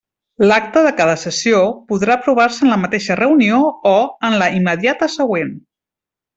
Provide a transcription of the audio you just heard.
L'acta de cada sessió podrà aprovar-se en la mateixa reunió o en la immediata següent.